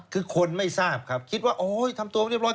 คือคนไม่ทราบครับคิดว่าโอ๊ยทำตัวเรียบร้อ